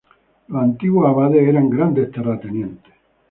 Los antiguos abades eran grandes terratenientes.